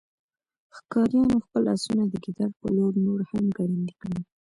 ښکاریانو خپل آسونه د ګیدړ په لور نور هم ګړندي کړل